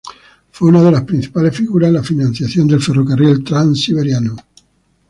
Fue una de las principales figuras en la financiación del ferrocarril Trans-Siberian.